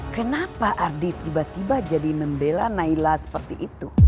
kenapa ardi tiba tiba jadi membela naila seperti itu